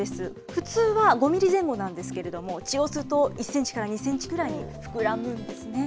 普通は５ミリ前後なんですけれども、血を吸うと１センチから２センチくらいに膨らんでいくんですね。